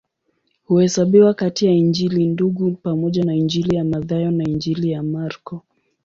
Huhesabiwa kati ya Injili Ndugu pamoja na Injili ya Mathayo na Injili ya Marko.